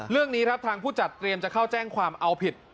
เรื่องนี้ครับทางผู้จัดเตรียมจะเข้าแจ้งความเอาผิด